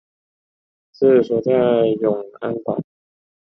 治所在永安堡。